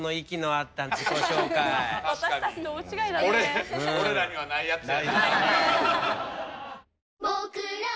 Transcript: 俺らにはないやつやな。